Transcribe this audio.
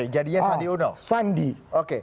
jadinya sandi uno